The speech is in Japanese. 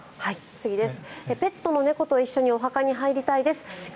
次です。